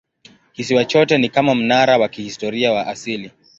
Kisiwa chote ni kama mnara wa kihistoria wa asili.